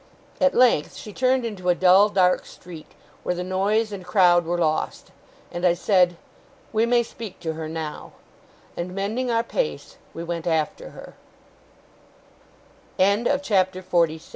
At length she turned into a dull, dark street, where the noise and crowd were lost; and I said, 'We may speak to her now'; and, mending our pace, we went after